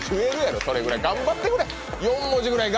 ４文字ぐらい頑張ってくれ。